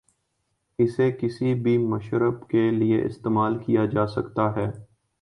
اسے کسی بھی مشروب کے لئے استعمال کیا جاسکتا ہے ۔